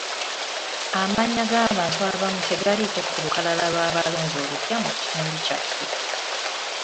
Amannya g'abantu abamu tegaaliko ku lukalala lw'abalonzi olupya mu kitundu kyaffe.